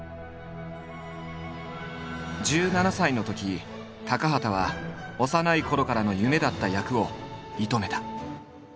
１７歳のとき高畑は幼いころからの夢だった役を射止めた。